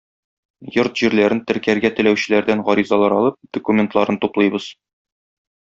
Йорт-җирләрен теркәтергә теләүчеләрдән гаризалар алып, документларын туплыйбыз.